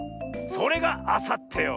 それがあさってよ。